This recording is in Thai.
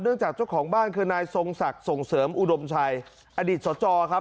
จากเจ้าของบ้านคือนายทรงศักดิ์ส่งเสริมอุดมชัยอดีตสจครับ